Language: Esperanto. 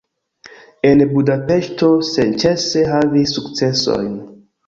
En Budapeŝto senĉese havis sukcesojn.